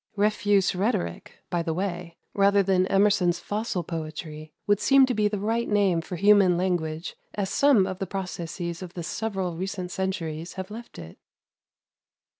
Refuse rhetoric, by the way, rather than Emerson's "fossil poetry," would seem to be the right name for human language as some of the processes of the several recent centuries have left it.